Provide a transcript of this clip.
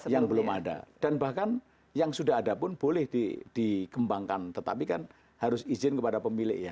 yang belum ada dan bahkan yang sudah ada pun boleh dikembangkan tetapi kan harus izin kepada pemilik ya